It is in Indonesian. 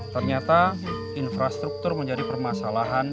ternyata infrastruktur menjadi permasalahan